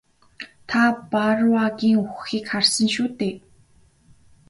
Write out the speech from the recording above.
Та Барруагийн үхэхийг харсан шүү дээ?